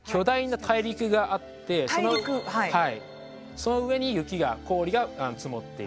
その上に雪が氷が積もっている。